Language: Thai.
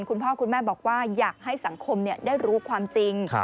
คุณพ่อคุณแม่บอกว่าอยากให้สังคมได้รู้ความจริง